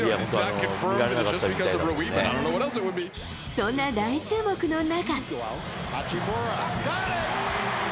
そんな大注目の中。